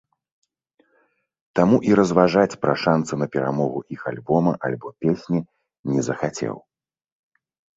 Таму і разважаць пра шанцы на перамогу іх альбома альбо песні не захацеў.